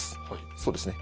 そうですね。